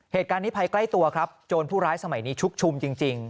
เหตุการณ์นี้ภายใกล้ตัวครับโจรผู้ร้ายสมัยนี้ชุกชุมจริง